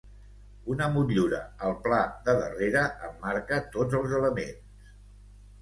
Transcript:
Una motllura al pla de darrere emmarca tots els elements.